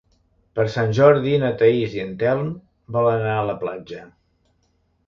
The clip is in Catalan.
Per Sant Jordi na Thaís i en Telm volen anar a la platja.